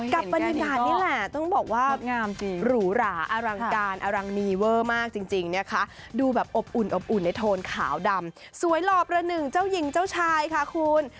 กับบรรยากาศนี่แหละต้องบอกว่าหรูหราอรังการอลังนีเวอร์มากจริงนะคะดูแบบอบอุ่นอบอุ่นในโทนขาวดำสวยหล่อประหนึ่งเจ้าหญิงเจ้าชายค่ะคุณ